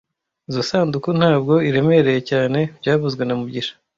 Izoi sanduku ntabwo iremereye cyane byavuzwe na mugisha